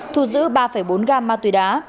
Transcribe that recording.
thu giữ ba bốn gam ma túy đá